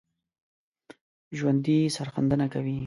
ژوندي سرښندنه کوي